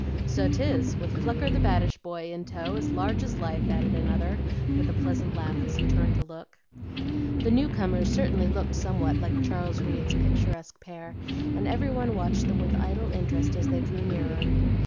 "So 'tis, with 'Flucker, the baddish boy,' in tow, as large as life," added another, with a pleasant laugh as he turned to look. The new comers certainly looked somewhat like Charles Reade's picturesque pair, and every one watched them with idle interest as they drew nearer.